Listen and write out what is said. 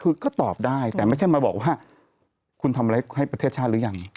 คือก็ตอบได้แต่ไม่ใช่มาบอกว่าคุณทำอะไรให้ประเทศชาติหรือยัง